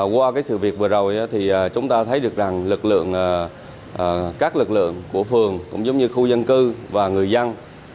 qua sự việc vừa rồi thì chúng ta thấy được rằng các lực lượng của phường cũng như khu dân cư và người dân